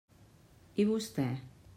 I vostè?